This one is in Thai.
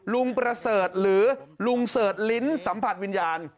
ประเสริฐหรือลุงเสิร์ชลิ้นสัมผัสวิญญาณ